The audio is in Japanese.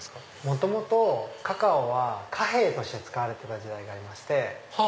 元々カカオは貨幣として使われてた時代がありまして。